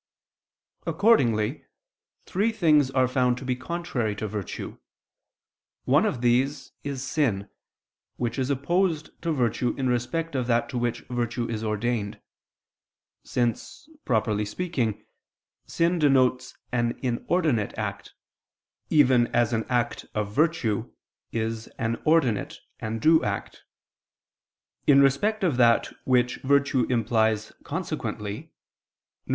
Accordingly three things are found to be contrary to virtue. One of these is sin, which is opposed to virtue in respect of that to which virtue is ordained: since, properly speaking, sin denotes an inordinate act; even as an act of virtue is an ordinate and due act: in respect of that which virtue implies consequently, viz.